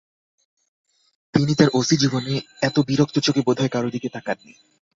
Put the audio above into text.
তিনি তাঁর ওসি জীবনে এত বিরক্ত চোখে বোধহয় কারো দিকে তাকান নি।